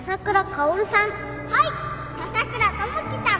笹倉友樹さん